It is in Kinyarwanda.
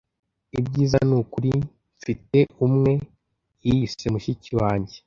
ibyiza ni ukuri mfite umwe. yiyise mushiki wanjye